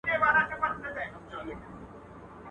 جهاني به په لحد کي وي هېر سوی.